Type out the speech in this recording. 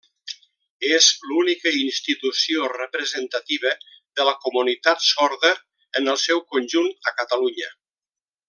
És l'única institució representativa de la comunitat sorda en el seu conjunt a Catalunya.